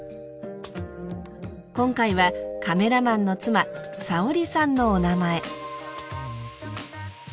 今回はカメラマンの妻サオリさんのお名前。